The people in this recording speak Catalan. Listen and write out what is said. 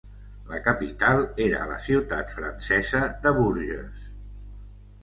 La capital era la ciutat francesa de Bourges.